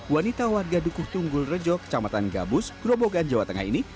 wanita warga dukuh tunggul rejo kecamatan gabus grobogan jawa tengah ini